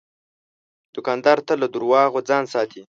دوکاندار تل له دروغو ځان ساتي.